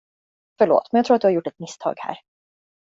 Förlåt, men jag tror att du har gjort ett misstag här.